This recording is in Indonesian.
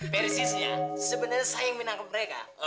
persis ya sebenarnya saya yang menangkap mereka